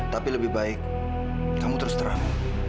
tapi lebih baik kamu terus terang